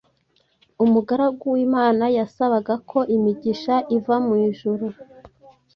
Umugaragu w’Imana yasabaga ko imigisha iva mu ijuru